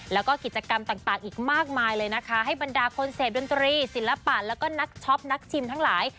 แล้วก็กิจกรรมต่างอีกมากมายเลยนะคะให้บรรดาคนเสพดนตรีศิลปะแล้วก็นักช็อปนักชิมทั้งหลาย